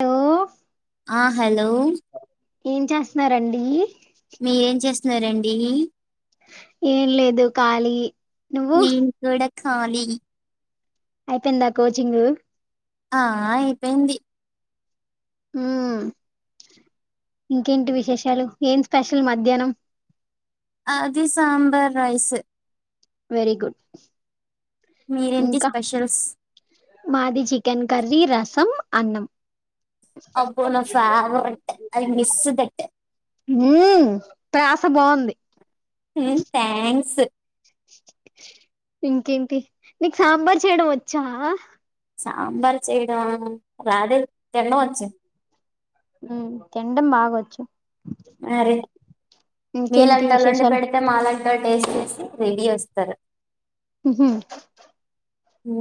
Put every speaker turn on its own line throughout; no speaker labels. Hello
ఆ hello
ఏం చేస్తన్నారండి
మీరేం చేస్తున్నారండీ
ఏం లేదు ఖళీ
నీను కూడా ఖాలీ
అయిపోయిందా కోచింగ్
ఆ అయిపోయింది
ఉమ్ ఇంకేంటి విశేషాలు ఏం స్పెషల్ మధ్యాహ్నం
అది సాబార్ రైస్
వెరీ గుడ్
మీరేంటి
ఇంకా
స్పెషల్స్
మాది చికెన్ కర్రీ ర్రి రసం అన్నం
అబ్బో నా ఫేవరెట్ ఐ మిస్ దట్
ఉం. ప్రస బాగుంది.
హు థ్యాంక్స్.
ఇంకేంటి నీకు సాంబార్ చేయడం వచ్చా.
సాంబార్ చేయడమ రాధు తినడంవచ్చు.
తినడం బాగవచ్చు.
మరి
ఇంకేంటి
మీలంతోలండి
విశేషాలు
పెడితే మాలంటోల్ టేస్ట్. రెడీ వస్తారు.
హు.
ఓ.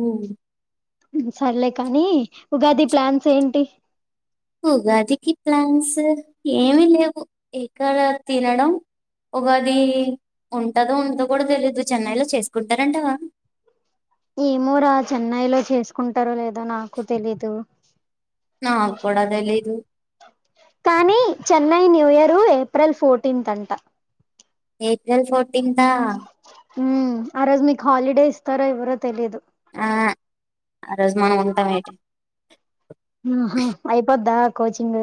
సర్లే కానీ ఉగాది ప్లాన్స్ ఏంటి.
ఉగాదికి ప్లాన్స్ ఏమి లేవు ఎక్కడా తినడం. ఉగాది ఉంటదో ఉంటదో కూడా తెలియదు చెన్నైలో చేసుకుంటారంటావా.
ఏమూరా చెన్నై లో చేసుకుంటారో లేదో నాకు తెలీదు.
నాక్కూడ తెలీదు.
కానీ Chennai new year April fourteenth అంట.
ఏప్రిల్ ఫోర్టీన్ ఆ.
ఆ రోజు మీకు హాలిడే ఇస్తారో ఇవరో తెలియదు.
ఆ ఆ రోజు మనం ఉంటాం ఏంటి.
ఆహా అయిపోద్దా కోచింగ్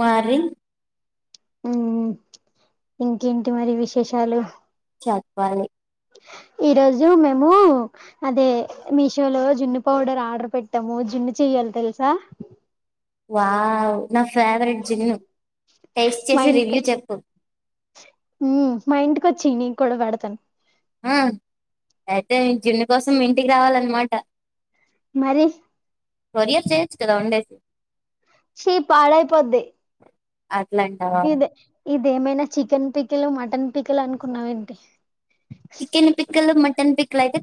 మరి.
ఉమ్ ఇంకేంటి మరి విశేషాలు.
చెప్పలి.
ఈ రోజు మేము అదే మీషో లో జున్ను పౌడర్ ఆర్డర్ పెట్టాము జున్ను చెయాలి. తెలుసా.
వావ్ నా ఫేవరెట్ జున్ను.
మా ఇంటికి మా ఇంటికోచేయి నీ కూడా పెడతాను.
ఆ అయితే జున్ను కోసం మీ ఇంటికి రావాలన్నమాట.
మరి.
కొరియర్ చేయొచ్చు కదా ఉండేసి.
చీ పాడైపొది.
అట్లాంటవా.
ఏమైనా చికెన్ పికిల్ మటన్ పికిల్ అనుకున్నావ ఏంటి.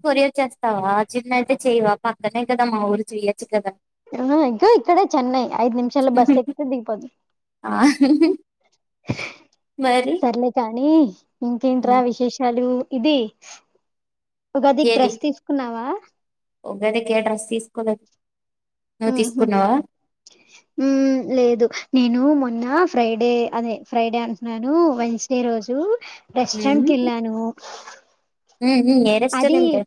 కొరియ చేస్తావా చిన్నయితే చేయవా పక్కనే కదా మా ఊరు చెయొచ్చు కదా.
ఆ ఇంకా ఇక్కడ చెన్నై ఐదు నిమిషాలు బస్ ఎక్కితే దిగిపోతవ.
ఆ మరి
సర్లే కానీ. ఇంకేంట్ర విశేషాలు. ఉగాది కి డ్రెస్ తీసుకున్నావా.
ఉగాది కి ఏ డ్రెస్ తీసుకోలేద్.
ఆహ ఉమ్ ఆ లేదు నేను మో. అన్న ఫ్రైడే అదే ఫ్రైడే అంటున్నాను వెన్సడే రోజు. రెస్టరెంట్
ఉమ్
కి వెళ్ళాము.
ఉమ్ ఉమ్, ఏ
అది
రెస్టారెంట్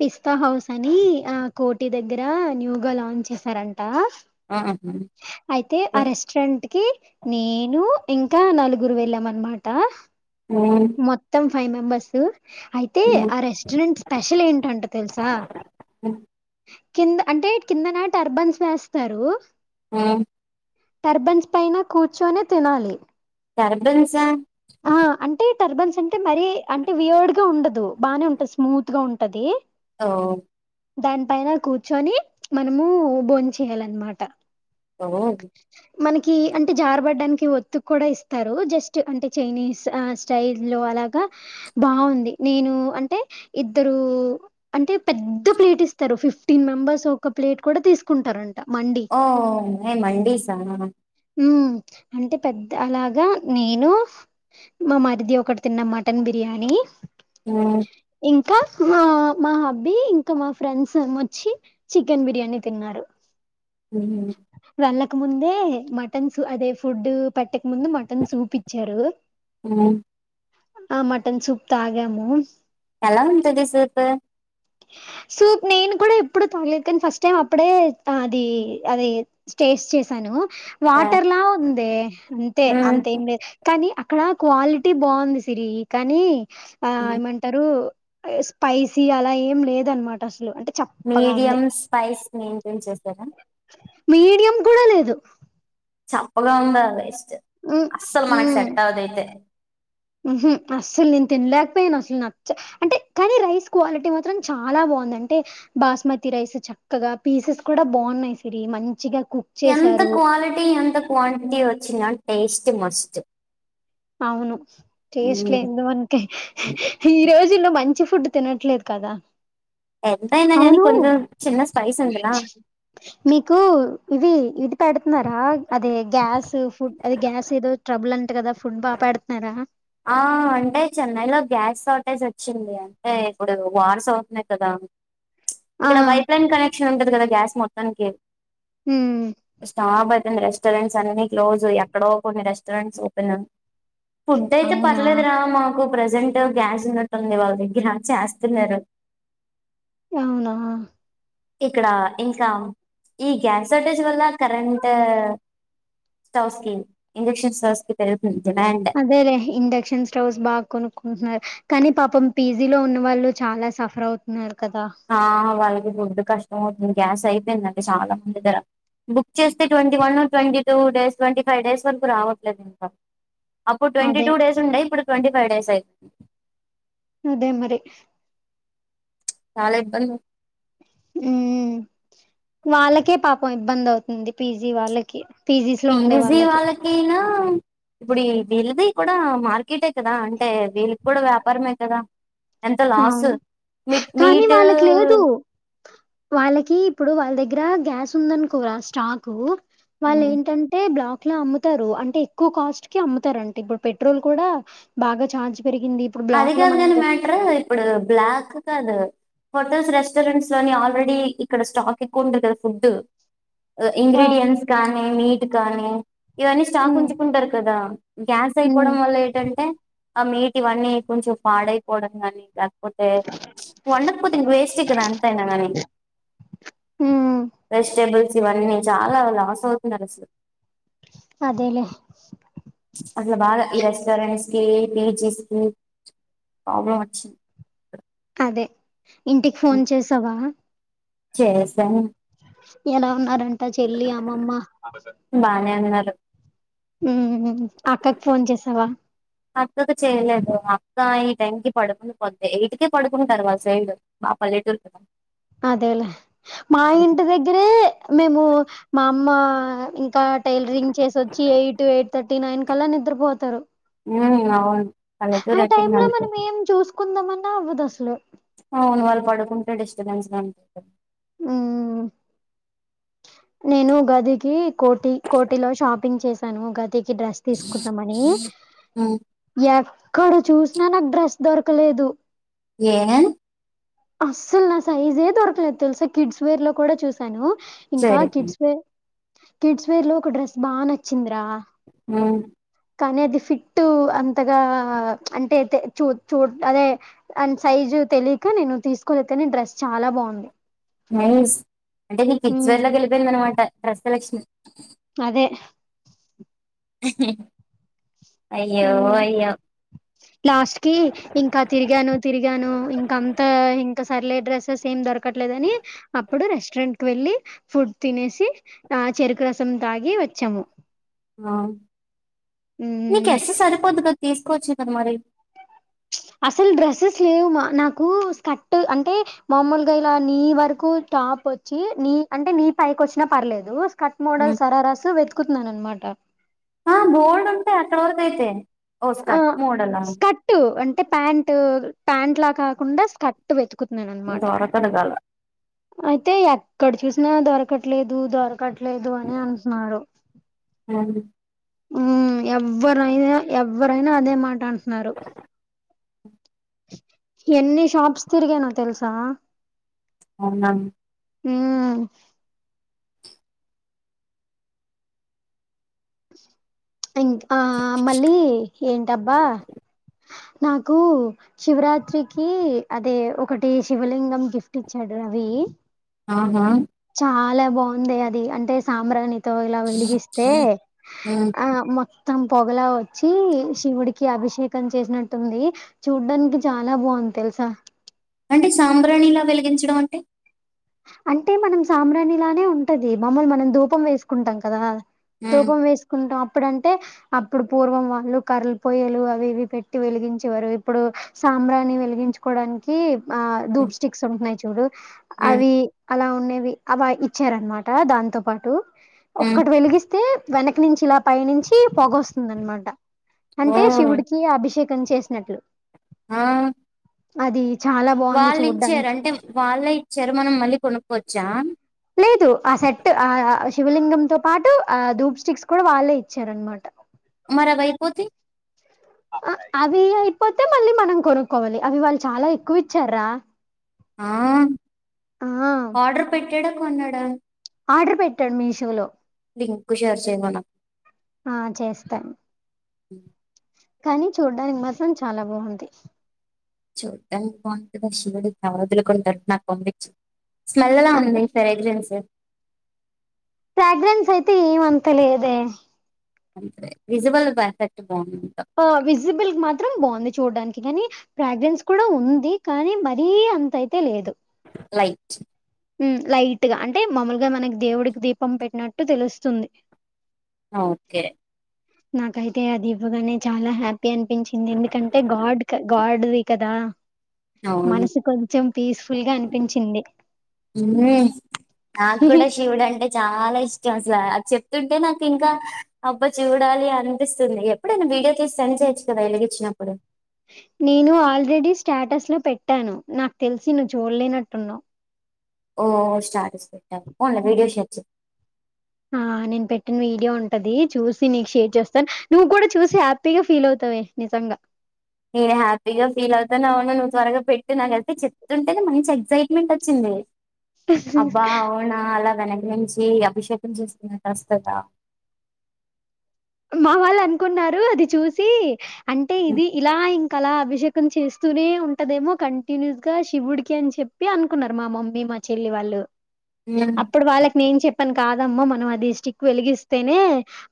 పిస్తా హౌస్ అని. ఆ కోటి దగ్గర న్యూగా లాంచ్ చేశారంట.
ఆహా ఉమ్
అయితే ఆ రెస్టారెంట్ కి నేను. ఇంకా నలుగురు వెళ్ళాం అనమాట. మొత్తం ఫైవ్ మెంబర్స్. అయితే
ఉమ్
ఆ రెస్టారెంట్ స్పెషల్ ఏంటంట తెలుసా. కింద అంటే కిందనా టర్బన్స్ వేస్తారు
ఊ
టర్బెన్స్ పైన కూర్చొని తినాలి
టర్బన్సా
ఆ అంటే టర్బన్స్ అంటే మరీ అంటే వియర్డ్ గా ఉండదు బాగానే ఉంటంది స్మూత్ గా ఉంటది
ఓ
దాని పైన కూర్చొని మనము బోం చెయాలన్నమాట
మరి
మనకి అంటే జారబడ్డానికి ఒత్తుకు కూడా ఇస్తారు జస్ట్ అంటే చైనీస్ ఆ స్టైల్ లో అలాగా బాగుంది నేను అంటే ఇద్దరు అంటే పెద్ద ప్లేట్ ఇస్తారు ఫిఫ్టీన్ మెంబర్స్ ఒక ప్లేట్ కూడా తీసుకుంటారం
ఓ మేం మండీసా
ఉమ్మ్ అంటే పెద్ద అలాగా నేను మా మరిది ఒకటి తిన్న మటన్ బిర్యానీ
ఉమ్మ్
ఇంకా మా హబ్బీ ఇంకా మా ఫ్రెండ్స్ వచ్చి చికెన్ బిర్యానీ తిన్నారు
హ ఉమ్
వెళ్ళక ముందే మటన్స్ అదే ఫుడ్ పెట్ట ముందు మటన్ సూప్ ఇచ్చారు
ఉమ్
ఆ మటన్ సూప్ తాగాము
ఎలా ఉంటది సూపు
సూప్ నేను కూడా ఇప్పుడు ఇ ప్పడేతగలేదు కాని ఫస్ట్ టైం అప్పుడే అది అది స్టేస్ చేసాను వాటర్ లా ఉందె అంతే
ఉమ్
అంతేం లేదు కానీ అక్కడ క్వాలిటీ బాగుంది సిరి కానీ ఆ ఏమంటారు స్పైసీ అలా ఏం లేదనమాట అసలు అంటే చప్పగా ఉంది
మీడియం స్పైస్ మెయింటైన్ చేస్తారా
మీడియం కూడా లేదు
చప్పగా ఉందా వేస్ట్
హ్మ్
అస్సలు మనకు సెట్ అవ్వదు అయితే
మ్మ్ఉహ్మ్ అస్సలు నేను తినలేకపోయాను అసలు నచ్చ అంటే కానీ రైస్ క్వాలిటీ మాత్రం చాలా బా బాందంటే బాస్మతి రైస్ చక్కగా పీసెస్ కూడా బాగున్నాయి సిరి మంచిగా కుక్
ఎంత
చేశారు.
క్వాలిటీ ఎంత కవాంటిటీ వచ్చినా టేస్ట్ మస్ట్ తు
అవును టేస్ట్ లేందో అన్కే ఈరోజుల్లో మంచి ఫుడ్ తినట్లేదు కదా
ఎంతయినా కానీ
అవును
కొంచెం చిన్న స్పైస్ ఉందిలా
నీకు ఇది ఇది పెడుతున్నారా అదే గ్యాస్ ఫుడ్ అది గ్యాస్ ఏదో ట్రబుల్ అంట కదా ఫుడ్ బా పెడతున్నారా
ఆ అంటే చెన్నైలో గ్యాస్ షార్టేజ్ వచ్చింది అంటే ఇప్పుడు వార్స్ అవుతున్నాయి కదా
ఆ!
ఇక్కడ పైప్లైన్ కనెక్షన్ ఉంటది కదా గ్యాస్ మొత్తానికి
హ్మ్.
కొన్ని రెస్టారెంట్స్ అన్ని క్లోజ్ ఎక్కడో కొన్ని రెస్టారెంట్స్ ఓపెన్ ఫుడ్ అయితే
అవునా!
పర్లేదురా మాకు ప్రస్త్ ప్రజెంట్ గ్యాస్ ఉన్నట్టుంది వాళ్ళ దగ్గర చేస్తున్నారు
అవునా
ఇక్కడ ఇంకా ఈ గ్యాస్ షార్టేజ్ వల్ల current with asking injections asking
అదెలే ఇండక్షన్ స్టవ్స్ బాగా కొనుకుంటున్నారు కానీ పాపం పీజీ లో ఉన్న వాళ్ళు చాలా సఫర్ అవుతున్నారు కదా
ఆ వాళ్ళకి ఫుడ్ కష్టం అవుతుంది గ్యాస్ అయిపోందండి చాలా మంది [unintelligible] బుక్ చేస్తే twenty one twenty two days twenty five days వరకు రావట్లేదక్క అప్పుడు ట్వంటీ
అదే
టూ డేస్ ఉండే ఇప్పుడు ట్వంటీ ఫైవ్ డేస్ అయింది.
అదే మరి.
చాల ఇబ్బంది.
ఉ వాళ్ళకే పాపం ఇబ్బంది అవుతుంది పీజీ వాళ్ళకి పీజీస్ లో ఉండే
పీజీ
వాళ్ళకి
వాళ్ళకైనా ఇప్పుడు వీళ్ళది కూడా మార్కెటే కదా అంటే వీళ్ళకి కూడా వ్యాపారమే కదా ఎంత
అ
లాస్ మీ
కానీ
మీట్
వాళ్ళకి లేదు వాళ్ళకి ఇప్పుడు వాళ్ళ దగ్గర గ్యాస్ ఉందనుకోరా స్టాక్ వాళ్ళ ఏంటంటే బ్లాక్ అట్లా అమ్ముతారు అంటే ఎక్కువ కాస్ట్ కి అమ్ముతారుంటే ఇప్పుడు పెట్రోల్ కూడా బాగా చార్జ్
అది కాదు కాని మ్యాటర్ ఇప్పుడు బ్లాక్ కాదు హోటల్స్ రెస్టారెంట్స్ లోని ఆల్రెడీ ఇక్కడ స్టాక్ ఎక్కువ ఉంటుంది కదా ఫుడ్
ఆ
ఇంగ్రీడియంట్స్ కానీ మీట్ కానీ ఇవన్నీ స్టాక్
ఉమ్
ఉంచుకుంటారు కదా గ్యాస్
ఉమ్
అయిపోవడం వల్ల ఏంటంటే ఆ మీట్ అవన్నీ కొంచెం పాడైపోవడం కానీ పోతే వండకపోతే వేస్ట్ ఏ అంతాన్నాంగానే
ఉమ్
వెజిటబుల్స్ ఇవన్నీ చాలా లాస్ అవుతున్నారు అసలు
అదేలే
అట్లా కాదు ఈ రెస్టారెంట్స్ కి పీజీస్ ప్రాబ్లమ్ ఒచ్చింది
అదే ఇంటికి ఫోన్ చేసావా
చేసాను
ఎలా ఉన్నారంటా చెల్లి అమ్మమ్మ
బానే ఉన్నారు
అక్కకి ఫోన్ చేసావా
అక్కకు చేయలేదు అక్క ఈ టైం కి పడుకొంపొద్ది ఎయిటికె పడుకుంటారు వాళ్ళ సైడు ఆ పల్లెటూరు
అదేలే మా ఇంటి దగ్గరే మేము మా అమ్మ ఇంకా టైలరింగ్ చేసి వచ్చి ఎయిట్ ఎయిట్ థర్టీ నైన్ కల్లా నిద్రపోతారు
ఉ అవును
ఆ
పల్లెటూరు
టైమ్
ఎట్టింగ్
లో
అంతే
మనం ఏం చూసుకుందామన్నా అవ్వదు అసలు
వాళ్ళు పడుకుంటే డిస్టబెన్స్గాంటంది
ఉమ్ నేను ఉగాదికి కోటి కోటిలో షాపింగ్ చేశాను ఉగాది డ్రెస్ తీసుకుందామని
ఉమ్
యా క్కడ చూసినా నాకు డ్రెస్ దొరకలేదు
ఏ
అస్సలు నా సైజే దొరకలేదు తెలుసా కిడ్స్ వేర్ లో కూడా చూసాను ఇంకా
సరే
కిడ్స్ వేర్ కిడ్స్ వేర్ లో ఒక డ్రెస్ బా నచ్చింది
ఉం
కానీ అది ఫిట్టూ అంతగా అంటే అయితే చూ చూ అదే దాని సైజు తెలియక నేను తీసుకు వెళ్తేనే డ్రెస్ చాలా బాగుంది
నైస్ అంటే ఇది
ఉమ్
కిడ్స్వేర్ లోకి వెళ్ళిపోయింది అన్నమాట డ్రెస్ సెలక్షన్
అదే
హి హి
లాస్ట్ కి ఇంకా తిరిగాను తిరిగి తిరిగాను ఇంకా అంత ఇంకా సర్లే డ్రెసెస్ ఏం దొరకట్లేదు అని అప్పుడు రెస్టారెంట్కు వెళ్ళి ఫుడ్ తినేసి ఆ చెరుకు రసం తాగి వచ్చాము
ఆ నీకు
ఉమ్
ఎస్ సరిపోద్ది కదా తీసుకోవచ్చు కదా మరి
అసలు డ్రెస్సెస్ లేవు మా నాకు స్కట్ అంటే మామూలుగా ఇలా నీ వరకు టాప్ వచ్చి నీ అంటే నీ పైకి వచ్చినా పర్లేదు కట్ మోడల్ సరారసు వెతుకుతున్నాను అనమాట
ఆ బోల్డ్ ఉంటాయి అక్కడ వరకు అయితే ఓ
ఆ
స్కర్ట్ మోడలా
స్కర్ట్ అంటే ప్యాంట్ ప్యాంట్ లా కాకుండా స్కర్ట్ కుత్నాను అనమాట
దొరకదు గల
అయితే ఎక్కడ చూసినా దొరకట్లేదు దొరకట్లేదు అని అంటున్నారు ఊ ఎవ్వరైనా ఎవ్వరైనా అదే మాట అంటున్నారు ఎన్ని షాప్స్ తిరిగానో తెలుసా
అవునాను
ఊ ఇంకా ఆ మళ్ళీ ఏంటబ్బా నాకు శివరాత్రికి అదే ఒకటి శివలింగం గిఫ్ట్ ఇచ్చాడు అవి
ఆహా
చాలా బావుందే అది అంటే సాంబ్రాణితో ఇలా వెలిగిస్తే
ఉమ్
ఆ మ త్తం పొగలా వచ్చి శివుడికి అభిషేకం చేసినట్టుంది చూడ్డానికి చాలా బావుం తెల్సా
అంటే సాంబ్రాణి లా వెలిగించడం అంటే
అంటే మనం సాంబ్రాణలానే ఉంటది మామూలు మనం ధూపం వేసుకుంటాం కదా
హ్మ్.
ధూపం వేసుకుంటా ప్పుడంటే అప్పుడు పూర్వం వాళ్ళు కర్రలు పొయ్యలు అవి ఇవి పెట్టి వెలిగించేవారు ఇప్పుడు సా బ్రాణీ వెలిగించుకోవడానికి ఆ
హ్మ్.
ధూప్ స్టిక్స్ ఉంటున్నాయి చూడు
హ్మ్.
అవి అలా ఉండేవి అవా ఇచ్చారనమాట దాంతో పాటూ
హ్మ్.
ఒక్కటి వెలిగిస్ తే వెనక నుంచి ఇలా పైనుంచి పొగొస్తుంది అనమాట అంటే
ఓహ్!
శివుడికి అభిషే కం చేసినట్లు
ఆ
అది చాలా బాగుంది
వాళ్ళు
చూడ్డానికి
ఇచ్చారు అంటే వాళ్ళై చ్చారు మనం మళ్ళీ కొనుక్కోవచ్చా
లేదు ఆ సెట్ ఆ శివలింగం తో పాటూ ఆ ధూప్ స్టిక్స్ కూడా వాళ్ళే ఇచ్చారనమాట
పోతే
తే మళ్ళీ మనం కొనుక్కోవాలి అవి వాళ్ళు చాలా ఎక్కువిచ్చారు రా
ఆర్డర్ పెట్టాడా కొన్నాడా
ఆర్డర్ పెట్టాడు మీషో లో
లింక్కు షేర్ చేయమను
ఆ చేస్తాన్ కానీ చూడ్డానికి మాత్రం చాలా బాగుంది
చూడ్డానికి బాగుంటుందా శివుడి నవదుులు కూడ నట్టు నాకు పంపిచ్చి స్మెల్ ఎలా
అదే.
ఉంది ఫ్రెగ్రెన్స్
ఫ్రాగ్రెన్స్ అయితే ఏమంత లేదే
విజబల్ పర్ఫెక్ట్ బావుంది.
ఓ విజిబిల్ మాత్రం బాగుంది చూడ్డానికి కానీ ప్ర్రాగ్రెన్స్ కూడా ఉంది కానీ మరీ అంత అయితే లేదు
లైట్
హు లైట్ గా అంటే మామూలుగా మనకి దేవుడికి దీపం పెట్టినట్టు తెలుస్తుంది.
ఓకే.
నాకైతే అది ఇవ్వగానే చాలా హ్యాపీ అనిపించింది ఎందుకంటే గాడ్ గాడ్ది కదా
అవును.
మనసు కొంచెం పీస్ఫుల్ గా అనిపించింది
ఉమ్ నాకు కూడా శివుడు అంటే చాలా ఇష్ టం అసలు అది చెప్తుంటే నాకు ఇంకా అబ్బా చూడాలి అనిపిస్తుంది ఎప్పుడైను వీడియో తీస్తాను. యచ్చు కదా ఎలుగు ఇచ్చినప్పుడు
నేను ఆల్రెడీ స్టేటస్‌లో పెట్టాను నాకు తెలిసి నువ్వు చూడలేనట్టున్నావు
ఓ స్టార్ట్ చేద్దాము అల్ వీడియో షాట్
ఆ నేను పెట్టిన వీడియో ఉంటది చూసి నీకు షేర్ చేస్తా, నువ్వు కూడా చూసి హ్యాపీగా ఫీల్ అవు. తవే నిజంగా
నేను హ్యాపీగా ఫీల్ అవుతా ఉవున్నా నువ్వు త్వరగా పెట్టి నాకెళ్తే చెప్తుంటేనే మంచి ఎగ్సైట్మెంట్ వచ్చింది అబ్బా అవునా అలా [unintelligible] అభిషేకం చేస్తున్నటు వస్తదా
మా వాళ్ళు అనుకున్నారు అది చూసి అంటే ఇది ఇలా ఇంకా అలా అభి షేకం చేస్తూనే ఉంటదేమో కంటిన్యూస్ గా శివుడికి అని చెప్పి అనుకున్నారు మా మమ్మీ మా చెల్లి వాల్ వాళ్ అప్పుడు వాళ్ళకి నేను చెప్పను కాదు మ్మా మనం అది స్టిక్ వెలిగిస్తేనే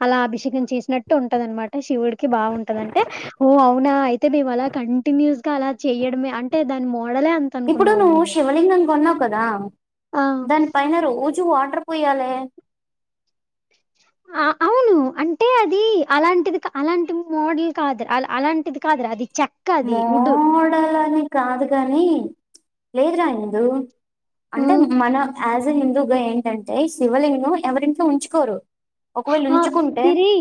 అలా అభిషేక చేసినట్టు ఉంటందనమాట శివుడికి బాగుంటదంటే ఓ అవునా అయితే మేము అలా కంటిన్యూస్ గా అలా చేయడమే అంటే దాని మో
ఇప్పుడు నువ్వు శివలింగం కొన్నావు కదా
ఆ
దాని పైన రోజు వాటర్ పోయాలే
ఆ అవును అంటే అది అలాంటిది అలాంటి మోడల్ కాదు అ అలాంటిది కాదు ది చక్క
మోడల్ అని కాదు కాని లేదు రా [unintelligible] అంటే
ఉమ్
మన యాజ్ అ హిందూగా ఏంటంటే శివలింగం ఎవరి ఇంట్లో ఉంచుకోరు ఒక వేళ
ఆ
ఉంచుకుంటే
సిరి